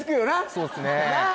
そうっすね